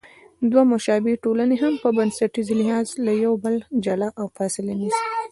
دوه مشابه ټولنې هم په بنسټي لحاظ له یو بله جلا او فاصله نیسي.